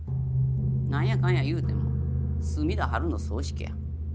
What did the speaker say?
何やかんや言うても角田ハルの葬式や。